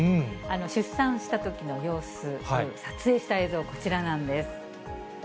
出産したときの様子、撮影した映像、こちらなんです。